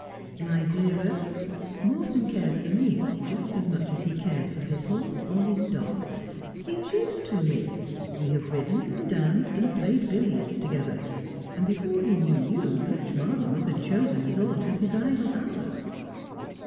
'My dearest, Morton cares for me just as much at he cares for his horse or his dog. He is used to me. Wh have ridden, and danced, and played billiards together ; and hefote lie knew you Blatchmardean was the chosen resort of his idlo lioius.'